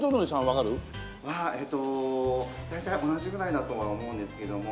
えーっと大体同じぐらいだとは思うんですけども。